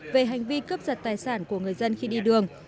về hành vi cướp giật tài sản của người dân khi đi đường